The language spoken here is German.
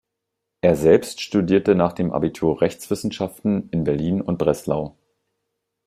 Er selbst studierte nach dem Abitur Rechtswissenschaften in Berlin und Breslau.